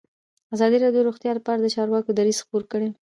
ازادي راډیو د روغتیا لپاره د چارواکو دریځ خپور کړی.